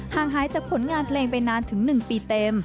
งหายจากผลงานเพลงไปนานถึง๑ปีเต็ม